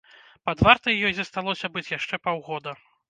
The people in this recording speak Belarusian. Пад вартай ёй засталося быць яшчэ паўгода.